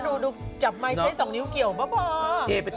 ดูคนจัดใหม่ใช้สองนิ้วเกี่ยวเบบฮอล์